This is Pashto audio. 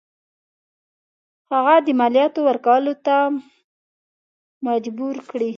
هغه د مالیاتو ورکولو ته مجبور کړي.